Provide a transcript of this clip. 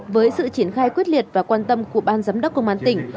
với sự triển khai quyết liệt và quan tâm của ban giám đốc công an tỉnh